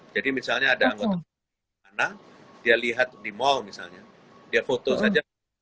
jadi misalnya ada anggota di mana dia lihat di mall misalnya dia foto saja